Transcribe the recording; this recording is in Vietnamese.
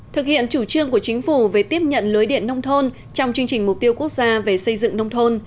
thực hiện chủ trương của chính phủ về tiếp nhận lưới điện nông thôn trong chương trình mục tiêu quốc gia về xây dựng nông thôn